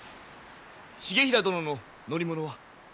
重衡殿の乗り物は？